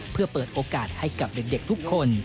เพื่อเปิดโอกาสให้กับเด็กทุกคน